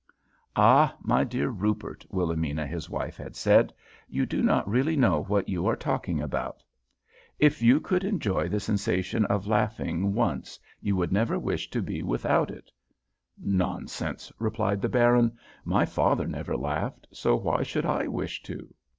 "'Ah, my dear Rupert,' Wilhelmina, his wife, had said, 'you do not really know what you are talking about! If you could enjoy the sensation of laughing once you would never wish to be without it.' "'Nonsense!' replied the Baron. 'My father never laughed, so why should I wish to?'